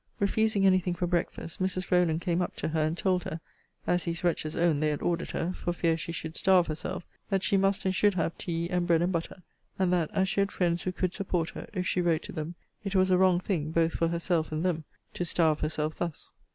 Refusing any thing for breakfast, Mrs. Rowland came up to her, and told her, (as these wretches owned they had ordered her, for fear she should starve herself,) that she must and should have tea, and bread and butter: and that, as she had friends who could support her, if she wrote to them, it was a wrong thing, both for herself and them, to starve herself thus.